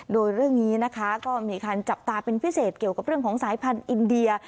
โดยเรื่องนี้นะคะก็มีการจับตาเป็นพิเศษเกี่ยวกับเรื่องของสายพันธุ์อินเดีย